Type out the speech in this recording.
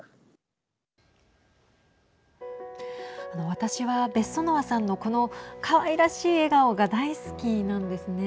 私はベッソノワさんのこのかわいらしい笑顔が大好きなんですね。